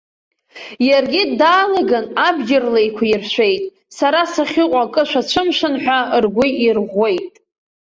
Иаргьы даалаган, абџьарла еиқәиршәеит, сара сахьыҟоу акы шәацәымшәан ҳәа ргәы ирӷәӷәеит.